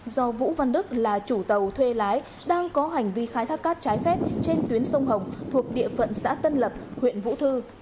do vũ văn đức là chủ tàu thuê lái đang có hành vi khai thác cát trái phép trên tuyến sông hồng thuộc địa phận xã tân lập huyện vũ thư